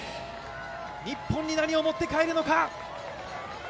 日本に何を持って帰るのか。